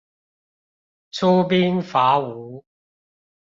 出兵伐吳